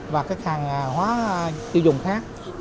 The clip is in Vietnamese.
và các hàng hóa tiêu dùng khác